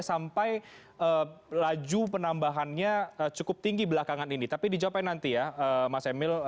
sampai laju penambahannya cukup tinggi belakangan ini tapi dijawabkan nanti ya mas emil